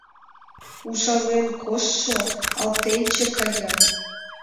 Ужален коштшо алтенче кая.